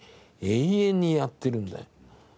永遠にやってるんだよ。